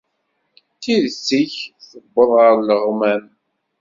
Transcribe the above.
Tidet-ik tewweḍ ɣer leɣmam.